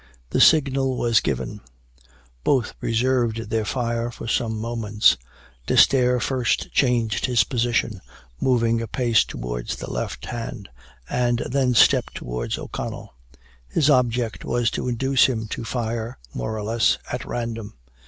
The signal was given. Both reserved their fire for some moments. D'Esterre first changed his position, moving a pace towards the left hand, and then stepped towards O'Connell. His object was to induce him to fire, more or less, at random.